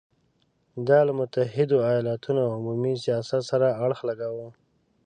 دا له متحدو ایالتونو عمومي سیاست سره اړخ لګاوه.